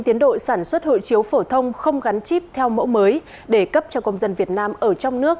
tiến độ sản xuất hội chiếu phổ thông không gắn chip theo mẫu mới để cấp cho công dân việt nam ở trong nước